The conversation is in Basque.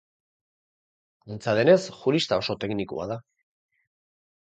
Antza denez, jurista oso teknikoa da.